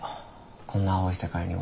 こんな蒼い世界には。